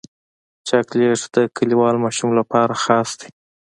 چاکلېټ د کلیوال ماشوم لپاره خاص وي.